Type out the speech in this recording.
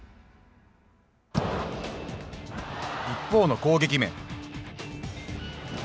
一方の攻撃面。